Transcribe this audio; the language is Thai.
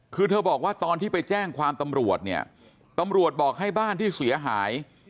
คือเธอบอกว่าตอนที่ไปแจ้งความตำรวจเนี่ยตำรวจบอกให้บ้านที่เสียหาย